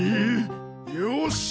よし！